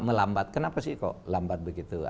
melambat kenapa sih kok lambat begitu